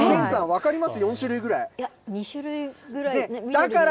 分かります？